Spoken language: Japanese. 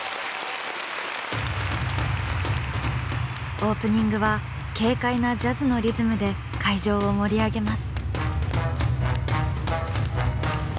オープニングは軽快なジャズのリズムで会場を盛り上げます。